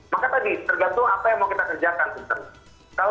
maka tadi tergantung apa yang mau kita kerjakan sebenarnya